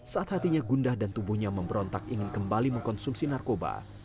saat hatinya gundah dan tubuhnya memberontak ingin kembali mengkonsumsi narkoba